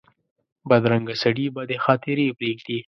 بدرنګه سړي بدې خاطرې پرېږدي